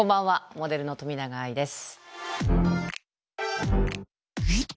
モデルの冨永愛です。